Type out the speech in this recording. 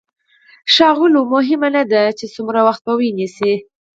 ښاغلو مهمه نه ده چې څومره وخت به ونيسي.